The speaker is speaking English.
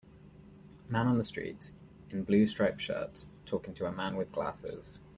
Man on the street, in blue striped shirt, talking to a man with glasses.